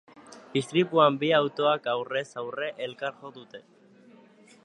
Istripuan bi autok aurrez aurre elkar jo dute.